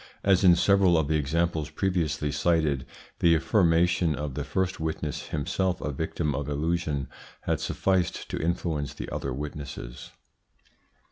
As in several of the examples previously cited, the affirmation of the first witness, himself a victim of illusion, had sufficed to influence the other witnesses.